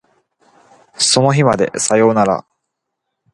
その日までさよなら